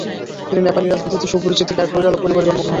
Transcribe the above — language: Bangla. তিনি নেপালি রাজনীতিতে সুপরিচিত কৈরালা পরিবারে জন্মগ্রহণ করেন।